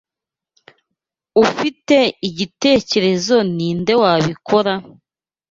Ufite igitekerezo ninde wabikora?